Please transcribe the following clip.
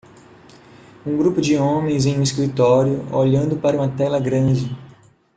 Um grupo de homens em um escritório olhando para uma tela grande.